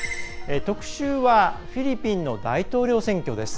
特集はフィリピンの大統領選挙です。